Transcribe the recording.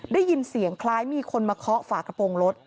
ได้ยินเสียงคล้ายมีคนมาเคาะฝากระโปรงรถ